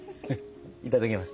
いただきます。